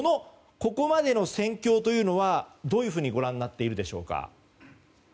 ここまでの戦況というのはどういうふうにご覧になっているでしょうか。